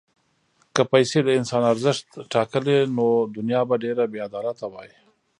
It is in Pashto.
که پیسې د انسان ارزښت ټاکلی، نو دنیا به ډېره بېعدالته وای.